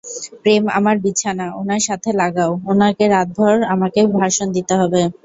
প্রেম আমার বিছানা উনার সাথে লাগাও, উনাকে রাতভর আমাকে ভাষণ দিতে হবে।